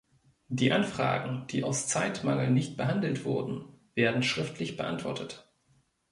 Die Anfragen, die aus Zeitmangel nicht behandelt wurden, werden schriftlich beantwortet.